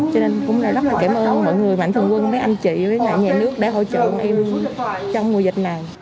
cho nên cũng rất là cảm ơn mọi người mạnh thường quân mấy anh chị mấy nhà nước để hỗ trợ em trong mùa dịch này